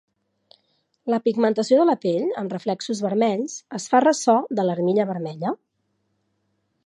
La pigmentació de la pell, amb reflexos vermells, es fa ressò de l'armilla vermella.